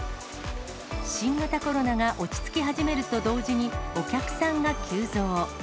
新型コロナが落ち着き始めると同時に、お客さんが急増。